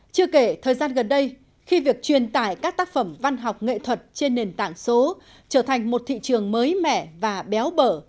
chưa kể thời gian gần đây khi việc truyền tải các tác phẩm văn học nghệ thuật trên nền tảng số trở thành một thị trường mới mẻ và béo bở